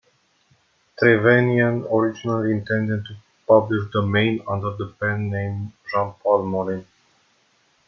Trevanian originally intended to publish "The Main" under the pen name Jean-Paul Morin.